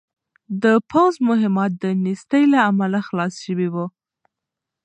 د پوځ مهمات د نېستۍ له امله خلاص شوي وو.